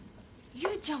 雄ちゃん